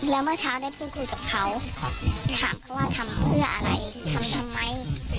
แล้วเมื่อเช้าได้พูดคุยกับเขาถามเขาว่าทำเพื่ออะไรทำทำไม